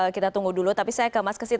kita tunggu dulu tapi saya ke mas kesit